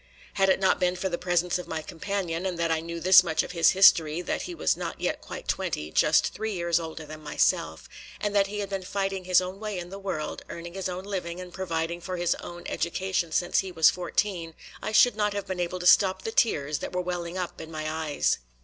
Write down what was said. Had it not been for the presence of my companion, and that I knew this much of his history that he was not yet quite twenty, just three years older than myself, and that he had been fighting his own way in the world, earning his own living and providing for his own education since he was fourteen I should not have been able to stop the tears that were welling up in my eyes.